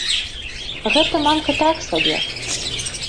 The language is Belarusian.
Гэта мамка так сабе!